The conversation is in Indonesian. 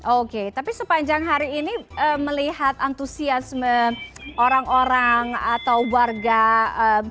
oke tapi sepanjang hari ini melihat antusiasme orang orang atau warga korea selatan merayakan